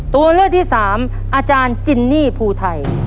ตัวเลือกที่สามอาจารย์จินนี่ภูไทย